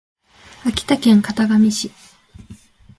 秋田県潟上市